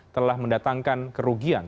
telah mendatangkan kerugian